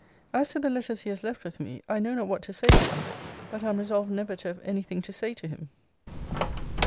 As to the letters he has left with me, I know not what to say to them: but am resolved never to have any thing to say to him.